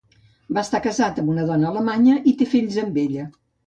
Va estar casat amb una dona alemanya i té fills amb ella.